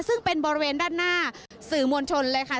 ซึ่งเป็นบริเวณด้านหน้าสื่อมวลชนเลยค่ะ